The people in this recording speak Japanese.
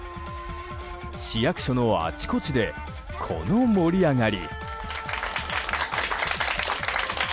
市役所のあちこちでこの盛り上がり。